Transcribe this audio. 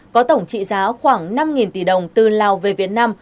có tổng trị giá khoảng năm tỷ đồng từ lào về việt nam